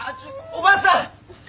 おばさん！